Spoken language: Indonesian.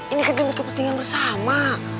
ini kejadian kepentingan bersama